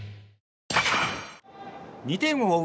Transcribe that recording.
２点を追う